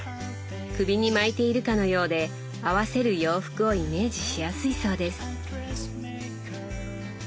首に巻いているかのようで合わせる洋服をイメージしやすいそうです。